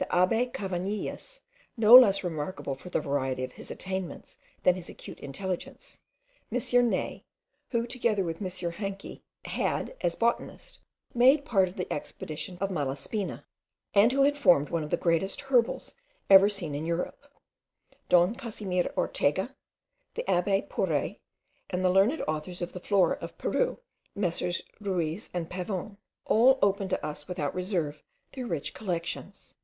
The abbe Cavanilles, no less remarkable for the variety of his attainments than his acute intelligence; M. Nee, who, together with M. Haenke, had, as botanist, made part of the expedition of Malaspina, and who had formed one of the greatest herbals ever seen in Europe; Don Casimir Ortega, the abbe Pourret, and the learned authors of the Flora of Peru, Messrs. Ruiz and Pavon, all opened to us without reserve their rich collections.